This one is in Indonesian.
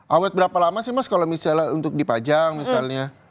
awet berapa lama sih mas kalau misalnya untuk dipajang misalnya